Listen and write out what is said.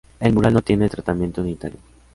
El mural no tiene tratamiento unitario.